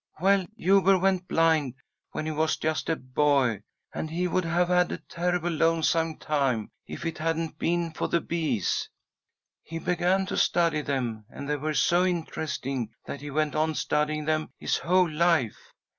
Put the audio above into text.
"Well, Huber went blind when he was just a boy, and he would have had a terribly lonesome time if it hadn't been for the bees. He began to study them, and they were so interesting that he went on studying them his whole life.